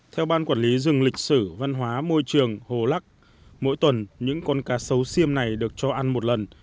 theo ban quản lý rừng lịch sử văn hóa môi trường hồ lắc mỗi tuần những con cá sấu siêm này được cho ăn một lần